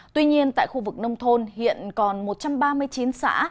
tuy nhiên tại khu vực nông thôn hiện còn một trăm ba mươi chín xã